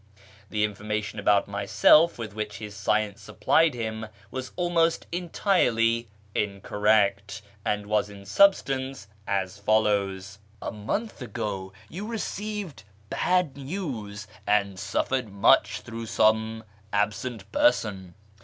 The informa tion about myself with which his science supplied him was almost entirely incorrect, and was in substance as follows :—" A month ago you received bad news, and suffered much through some absent person.